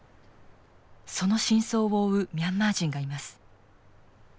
その真相を追うミャンマー人がいます。